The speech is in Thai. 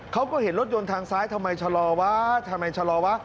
เขาก็เห็นรถยนต์ทางซ้ายทำไมชะลอวะทำไมชะลอวะ